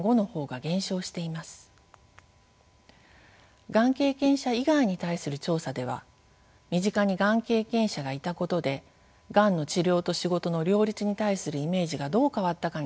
がん経験者以外に対する調査では身近にがん経験者がいたことでがんの治療と仕事の両立に対するイメージがどう変わったかについて尋ねました。